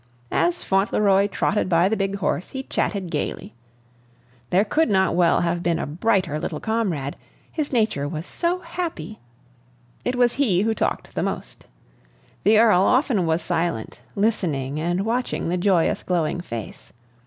As Fauntleroy trotted by the big horse he chatted gayly. There could not well have been a brighter little comrade, his nature was so happy. It was he who talked the most. The Earl often was silent, listening and watching the joyous, glowing face.